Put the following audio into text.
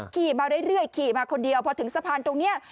ขี่มาเรื่อยขี่มาคนเดียวพอถึงสะพานตรงนี้